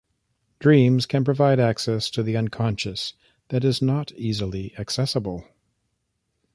Dreams can provide access to the unconscious that is not easily accessible.